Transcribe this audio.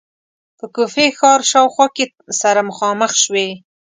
په کوفې ښار شاوخوا کې سره مخامخ شوې.